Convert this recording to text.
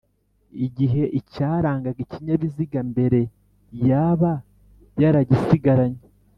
Igihe icyarangaga ikinyabiziga mbere yaba yarasigaranye.